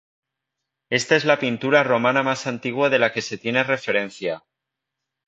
Esta es la pintura romana más antigua de la que se tiene referencia.